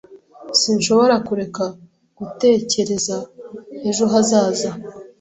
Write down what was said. Sinshobora kureka gutekereza ejo hazaza.